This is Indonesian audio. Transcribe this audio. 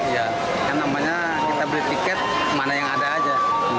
ya yang namanya kita beli tiket mana yang ada aja